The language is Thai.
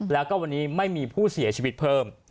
แล้วก็วันนี้ไม่มีผู้เสียชีวิตเพิ่ม